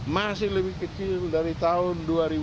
masih lebih kecil dari tahun dua ribu empat belas